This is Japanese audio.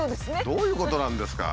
どういうことなんですか？